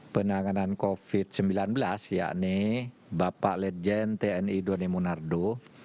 penanganan covid sembilan belas yakni bapak legend tni doni monardo